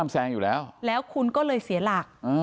ซึ่งคุณก็เลยเสียหลัก